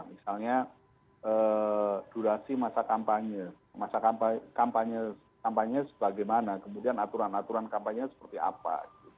misalnya durasi masa kampanye masa kampanye bagaimana kemudian aturan aturan kampanye seperti apa